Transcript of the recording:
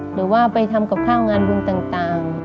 หรือว่าไปทำกับข้าวงานบุญต่าง